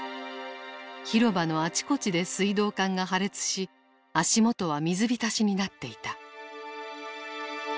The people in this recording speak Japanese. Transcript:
広場のあちこちで水道管が破裂し足元は水浸しになっていた。